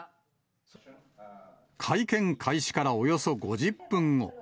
会見開始からおよそ５０分後。